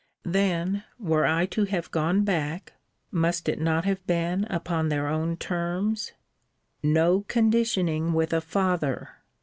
Then were I to have gone back, must it not have been upon their own terms? No conditioning with a father!